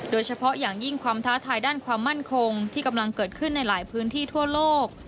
โดยเฉพาะอย่างยิ่งความท้าทายด้านความมั่นคงที่กำลังเกิดขึ้นในหลายพื้นที่ทั่วโลก